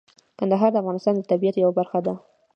کندهار د افغانستان د طبیعت یوه برخه ده.